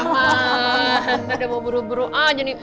wah ada mau buru buru aja nih